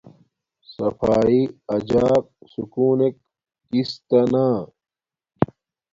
صفایݵ اجاک سکون نک کس تا نا